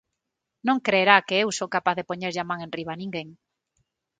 ¿Non crerá que eu son capaz de poñerlle a man enriba a ninguén?